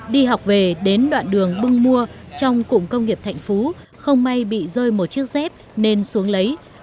đi học về đến đoạn đường bưng mua trong cụm công nghiệp thạnh phú không may bị rơi một chiếc dép nên xuống lấy